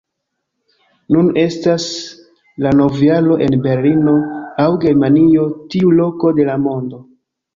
Nun estas la novjaro en Berlino, aŭ Germanio, tiu loko de la mondo